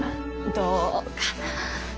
どうかなあ。